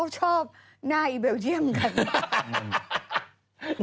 ชอบนายเบลเยี่ยมกัน